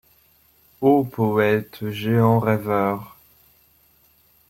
O poètes, géants rêveurs !